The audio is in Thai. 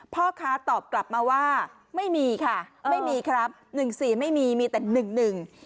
พ่อค้าตอบกลับมาว่าไม่มีค่ะไม่มีครับหนึ่งสี่ไม่มีมีแต่หนึ่งหนึ่ง